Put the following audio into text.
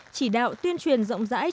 chỉ đạo tuyên truyền rộng rãi cho nhân dân